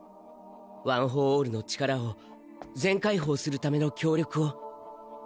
ワン・フォー・オールの力を全解放するための協力を。